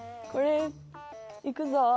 これいくゾ。